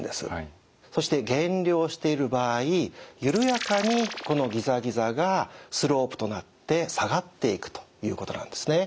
そして減量している場合緩やかにこのギザギザがスロープとなって下がっていくということなんですね。